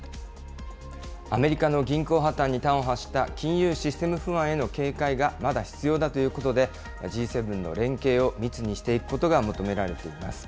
アメリカの銀行破綻に端を発した金融システム不安への警戒がまだ必要だということで、Ｇ７の連携を密にしていくことが求められています。